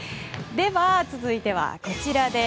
続いてはこちらです。